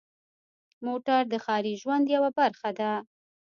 موټر د ښاري ژوند یوه برخه ده.